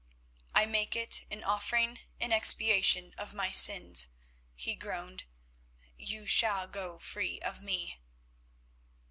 "I make it an offering in expiation of my sins," he groaned, "you shall go free of me."